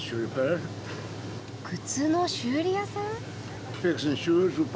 靴の修理屋さん？